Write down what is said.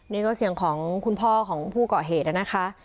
นี่ก็เสียงของคุณพ่อของผู้เกาะเหตุนะคะ